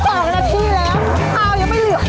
เผายังไม่เหลืออีกแล้ว